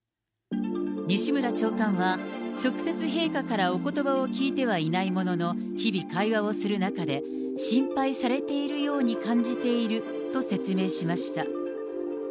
西村長官は、直接陛下からおことばを聞いてはいないものの、日々、会話をする中で、心配されているように感じていると説明しました。